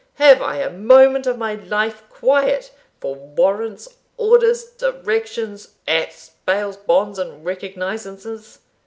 Have I a moment of my life quiet for warrants, orders, directions, acts, bails, bonds, and recognisances?